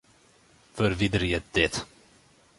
Ferwiderje dit.